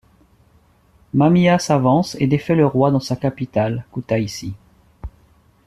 Mamia s'avance et défait le roi dans sa capitale, Koutaissi.